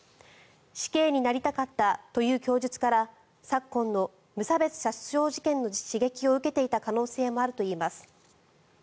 死刑になりたかったという供述から昨今の無差別殺傷事件の刺激を受けていた可能性もあるといいます。